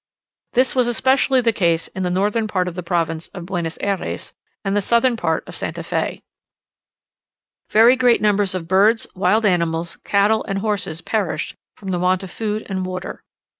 This was especially the case in the northern part of the province of Buenos Ayres and the southern part of St. Fe. Very great numbers of birds, wild animals, cattle, and horses perished from the want of food and water.